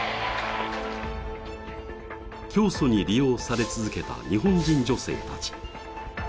教祖に利用され続けた日本人女性たち。